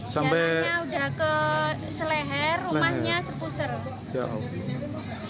jalannya udah ke seleher rumahnya sepuser